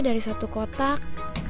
dari satu kotak